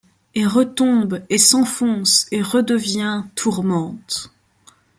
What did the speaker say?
Et retombe, et s’enfonce, et redevient, tourmente ;